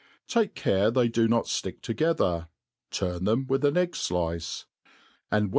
Take care they do not ftick together, turn them with an cgg flice, and wheq.